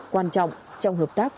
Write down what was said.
quan trọng trong hợp tác